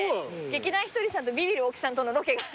劇団ひとりさんとビビる大木さんとのロケが。